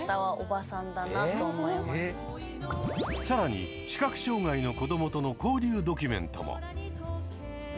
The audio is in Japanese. さらに視覚障害の子どもとの交流ドキュメントも！